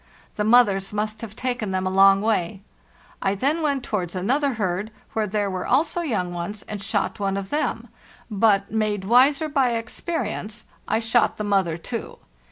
The mothers must have taken them a long way. I then went towards another herd, where there were also young ones, and shot one of them; but, made wiser by experience, I shot the mother too.